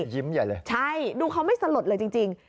ยิ้มใหญ่เลยใช่ดูเขาไม่สลดเลยจริง